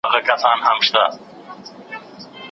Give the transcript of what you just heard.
پر راتللو د زمري کورته پښېمان سو